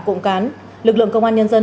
cụm cán lực lượng công an nhân dân